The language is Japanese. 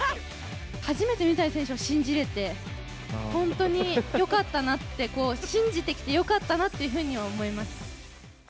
初めて水谷選手を信じれて、本当によかったって、信じてきてよかったなっていうふうに思いました。